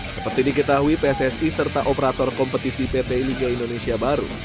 seperti diketahui pssi serta operator kompetisi pt liga indonesia baru